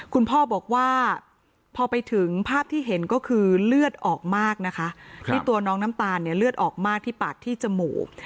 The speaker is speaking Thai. คุณพ่อบอกว่าพอไปถึงภาพที่เห็นก็คือเลือดออกมากนะคะที่ตัวน้องน้ำตาลเนี่ยเลือดออกมากที่ปากที่จมูก